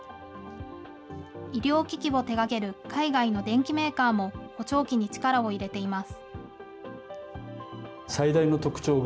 医療機器を手がける海外の電機メーカーも、補聴器に力を入れています。